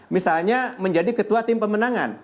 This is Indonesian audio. misalnya menjadi ketua tim pemenangan